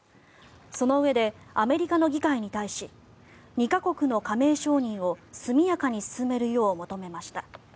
そのうえでアメリカの議会に対し２か国の加盟承認を速やかに進めるよう求めました。